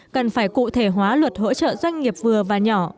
cần phải cụ thể hóa luật hỗ trợ doanh nghiệp vừa và nhỏ